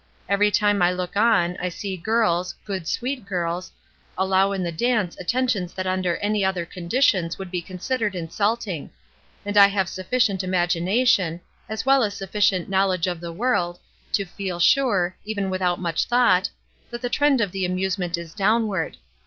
Every time I look on, I see girls, good sweet girls, allow in the dance attentions that under any other conditions would be considered insulting ; and I have suffi cient imagination, as well as sufficient knowledge of the world, to feel sure, even without much thought, that the trend of the amusement is downward.